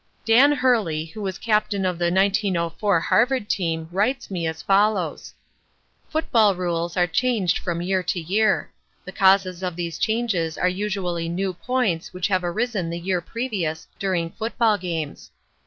Dan Hurley, who was captain of the 1904 Harvard team, writes me, as follows: "Football rules are changed from year to year. The causes of these changes are usually new points which have arisen the year previous during football games.